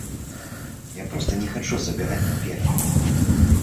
Я проста не хачу забягаць наперад.